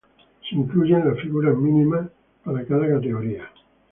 Se incluyen las figuras mínimas para cada categoría.